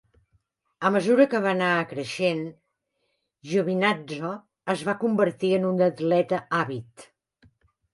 A mesura que va anar creixent, Giovinazzo es va convertir en un atleta àvid.